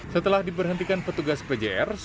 setelah diperhentikan petugas pjr